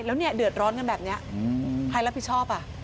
แล้วเดือดร้อนกันแบบนี้ใครรับผิดชอบ